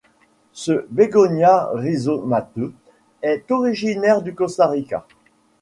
Ce bégonia rhizomateux est originaire du Costa Rica.